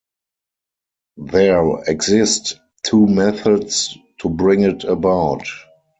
There exist two methods to bring it about.